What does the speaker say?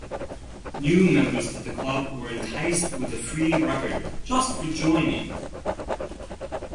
New members to the club were enticed with a free record just for joining.